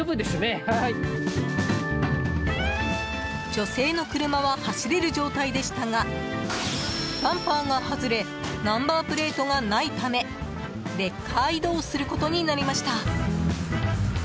女性の車は走れる状態でしたがバンパーが外れナンバープレートがないためレッカー移動することになりました。